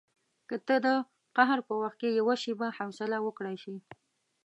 که ته د قهر په وخت کې یوه شېبه حوصله وکړای شې.